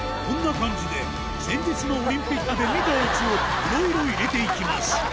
こんな感じで先日のオリンピックで見たやつをいろいろ入れていきます